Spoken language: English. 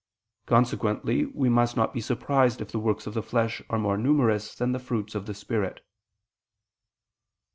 Consequently we must not be surprised if the works of the flesh are more numerous than the fruits of the spirit.